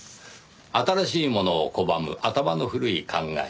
「新しいものを拒む頭の古い考え」。